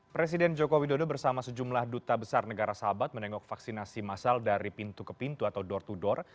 presiden joko widodo bersama sejumlah duta besar negara sahabat menengok vaksinasi masal dari pintu ke pintu atau door to door